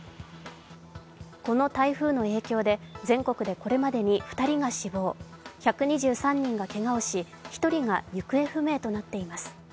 この台風の影響で全国でこれまでに２人が死亡、１２３人がけがをし、１人が行方不明となっています。